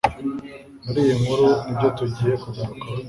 Muri iyi nkuru ni byo tugiye kugarukaho.